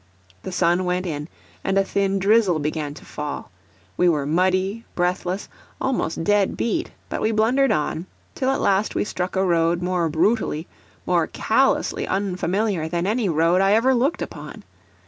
The sun went in, and a thin drizzle began to fall; we were muddy, breathless, almost dead beat; but we blundered on, till at last we struck a road more brutally, more callously unfamiliar than any road I ever looked upon.